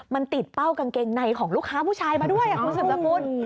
มันติดเป้ากางเกงในของลูกค้าผู้ชายมาด้วยคุณสืบสกุล